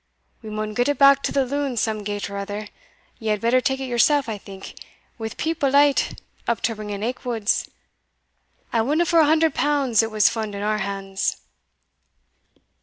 "We maun get it back to the loon some gait or other; ye had better take it yoursell, I think, wi' peep o' light, up to Ringan Aikwood's. I wadna for a hundred pounds it was fund in our hands."